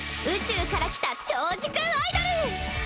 宇宙から来た超時空アイドル！